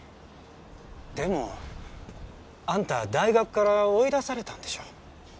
でもあんた大学から追い出されたんでしょ？